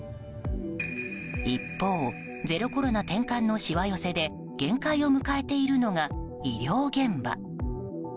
一方、ゼロコロナ転換のしわ寄せで限界を迎えているのが医療現場。